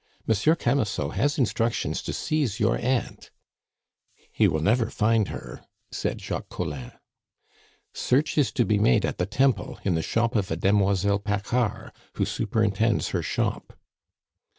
Monsieur Camusot has instructions to seize your aunt." "He will never find her," said Jacques Collin. "Search is to be made at the Temple, in the shop of a demoiselle Paccard who superintends her shop."